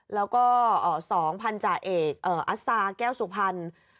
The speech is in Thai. แล้วก็๒พันธาเอกอัศตาแก้วสุพรรณ